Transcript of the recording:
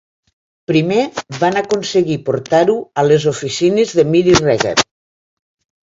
Primer, van aconseguir portar-ho a les oficines de Miri Regev.